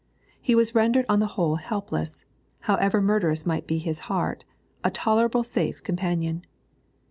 He was rendered on the whole helpless; however murderous might be his heart, a tolerably safe companion.